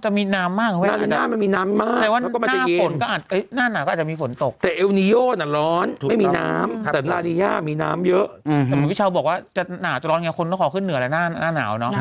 ได้เสร็จเนี้ยคนต้องขอขึ้นเหนือแล้วหน้าหนาวเนอะใช่ใช่